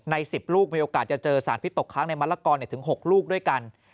๑๐ลูกมีโอกาสจะเจอสารพิษตกค้างในมะละกอถึง๖ลูกด้วยกัน